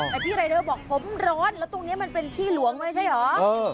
แต่พี่รายเดอร์บอกผมร้อนแล้วตรงนี้มันเป็นที่หลวงไม่ใช่เหรอ